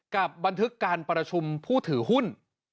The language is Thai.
กับบันทึกการประชุมผู้ถือหุ้น